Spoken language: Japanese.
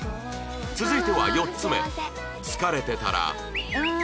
続いては４つ目